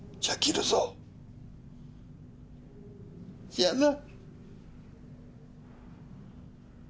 じゃあな。